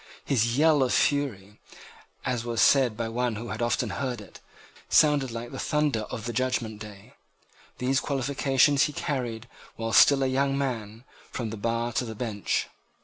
His yell of fury, as was said by one who had often heard it, sounded like the thunder of the judgment day. These qualifications he carried, while still a young man, from the bar to the bench.